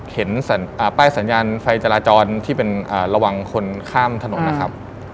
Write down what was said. เห็นป้ายสัญญาณไฟจราจรที่เป็นระวังคนข้ามถนนนะครับ